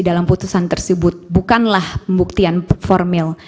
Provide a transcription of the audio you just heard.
dalam putusan tersebut bukanlah pembuktian formil